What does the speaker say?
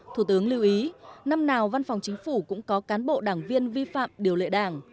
thủ tướng lưu ý năm nào văn phòng chính phủ cũng có cán bộ đảng viên vi phạm điều lệ đảng